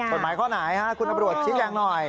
กฎหมายข้อไหนคุณตำรวจชี้แจงหน่อย